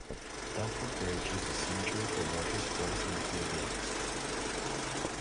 Dunford Bridge is a centre for watersports enthusiasts.